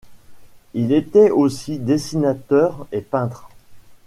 Il était aussi dessinateur et peintre.